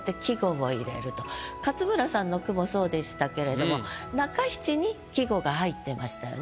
勝村さんの句もそうでしたけれども中七に季語が入ってましたよね。